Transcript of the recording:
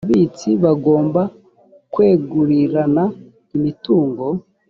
ababitsi bagomba kwegurirana imitungo